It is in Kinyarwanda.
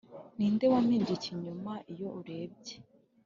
ninde wampimbye ikinyoma iyo urebye